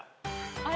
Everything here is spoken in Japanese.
あれ？